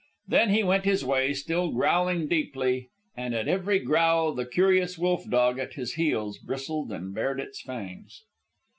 Then he went his way, still growling deeply, and at every growl the curious wolf dog at his heels bristled and bared its fangs.